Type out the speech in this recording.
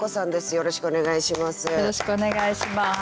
よろしくお願いします。